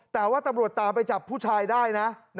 แต่ว่าตำรวจตามไปจับผู้ชายได้นะ